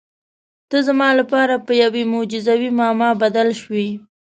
ته زما لپاره په یوې معجزوي معما بدل شوې.